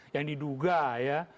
yang diduga ya